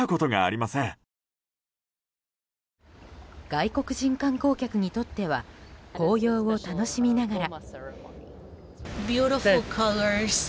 外国人観光客にとっては紅葉を楽しみながら。